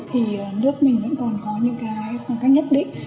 thì nước mình vẫn còn có những cái phong cách nhất định